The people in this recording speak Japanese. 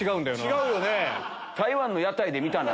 違うよね。